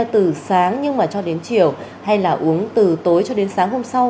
từ sáng nhưng mà cho đến chiều hay là uống từ tối cho đến sáng hôm sau